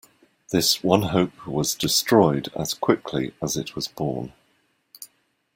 This one hope was destroyed as quickly as it was born.